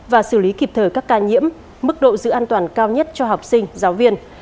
và xử lý kịp thời các ca nhiễm mức độ giữ an toàn cao nhất cho học sinh giáo viên